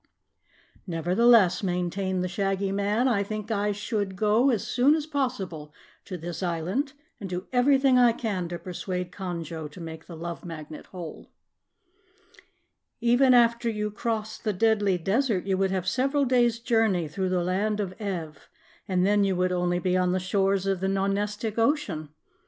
"Nevertheless," maintained the Shaggy Man, "I think I should go as soon as possible to this island and do everything I can to persuade Conjo to make the Love Magnet whole." "Even after you crossed the Deadly Desert, you would have several days' journey through the Land of Ev, and then you would only be on the shores of the Nonestic Ocean.